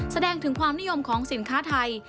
แสดงถึงความนิยมของสินค้าไทย